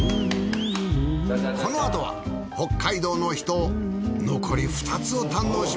このあとは北海道の秘湯残り２つを堪能します。